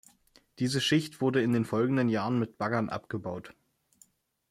Diese Schicht wurde in den folgenden Jahren mit Baggern abgebaut.